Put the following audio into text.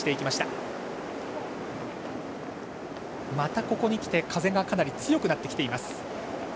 またここに来て風がかなり強くなってきています。